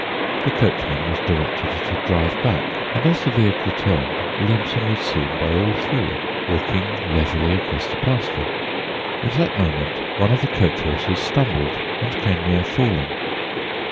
The coachman was directed to drive back, and as the vehicle turned Williamson was seen by all three, walking leisurely across the pasture. At that moment one of the coach horses stumbled and came near falling.